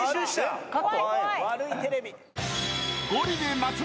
悪いテレビ。